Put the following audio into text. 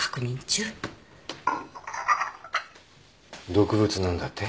毒物なんだって？